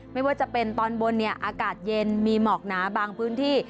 ไม่ว่าจะเป็นตอนบนเนี่ยอากาศเย็นมีหมอกหนาบางพื้นที่